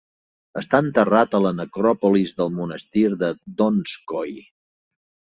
Està enterrat a la necròpolis del monestir de Donskoy.